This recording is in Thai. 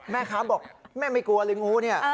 แม่ค้าบอกแม่ไม่กลัวเลยงูเนี่ย